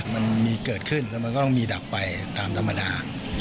มันมีเกิดขึ้นแล้วมันก็ต้องมีดับไปตามธรรมดา